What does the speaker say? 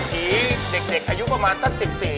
หีศาสตร์เด็กอายุประมาณสัก๑๐๑๕